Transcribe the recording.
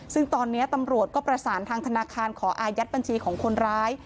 ซึ่งตอนนี้ตำรวจก็ประสานทางธนาคารขออายัดบัญชีของคนร้าย